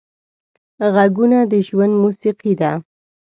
غږونه د ژوند موسیقي ده